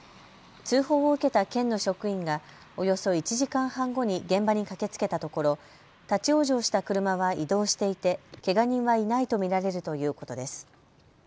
通報を受けた県の職員がおよそ１時間半後に現場に駆けつけたところ立往生した車は移動していてけが人はいないと見られるということです。